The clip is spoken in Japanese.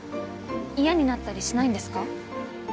嫌になったりしないんですか？